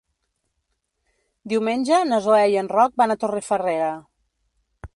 Diumenge na Zoè i en Roc van a Torrefarrera.